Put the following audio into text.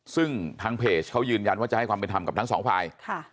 ซึ่งทางเพจเขายืนยันว่าจะให้ความเป็นธรรมกับทั้งสองฝ่าย